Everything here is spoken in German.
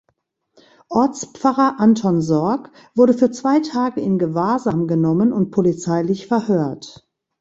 Ortspfarrer Anton Sorg wurde für zwei Tage in Gewahrsam genommen und polizeilich verhört.